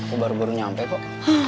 udah sampe kok